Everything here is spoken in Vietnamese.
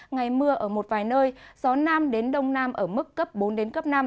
ngày mưa ở một vài nơi gió nam đến đông nam ở mức cấp bốn năm